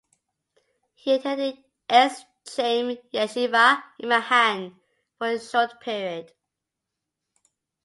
He attended Etz Chaim Yeshiva in Manhattan for a short period.